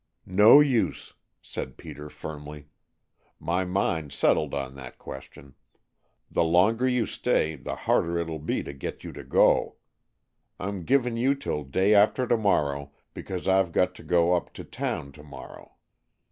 "No use!" said Peter firmly. "My mind's settled on that question. The longer you stay the harder it'll be to get you to go. I'm givin' you 'til day after to morrow because I've got' to go up to town to morrow.